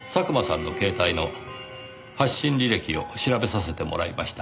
佐久間さんの携帯の発信履歴を調べさせてもらいました。